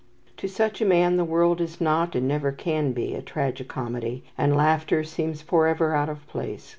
To such a man the world is not, and never can be, a tragi comedy, and laughter seems forever out of place.